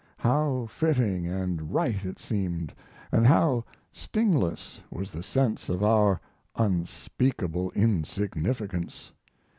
How fitting and right it seemed, and how stingless was the sense of our unspeakable insignificance!